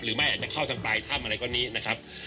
ไม่อาจจะเข้าทางปลายถ้ำอะไรก็นี้นะครับ